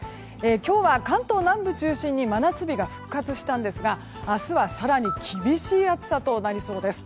今日は関東南部中心に真夏日が復活しましたが明日は更に厳しい暑さとなりそうです。